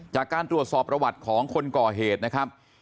จากการตรวจสอบประวัติของคนก่อเหตุนะครับ